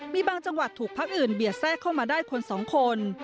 มีบางจังหวัดถูกพักอื่นเบียดแทรกเข้ามาได้คนสองคน